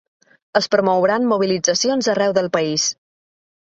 Es promouran mobilitzacions arreu del país.